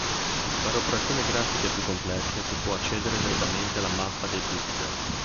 Per operazioni grafiche più complesse si può accedere direttamente alla mappa dei pixel.